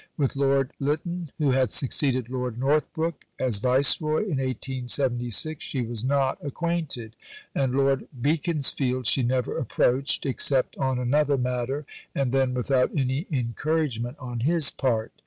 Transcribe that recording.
With Lord Lytton, who had succeeded Lord Northbrook as Viceroy in 1876, she was not acquainted; and Lord Beaconsfield she never approached, except on another matter, and then without any encouragement on his part.